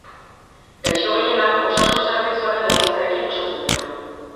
Gaixo gehienak osasun zerbitzuaren laguntzarekin osatzen dira.